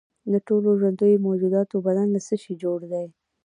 د ټولو ژوندیو موجوداتو بدن له څه شي جوړ دی